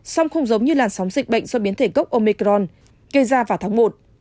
song không giống như làn sóng dịch bệnh do biến thể cốc omicron gây ra vào tháng một